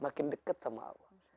makin deket sama allah